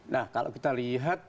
nah kalau kita lihat